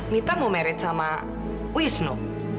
mita mau married sama wismu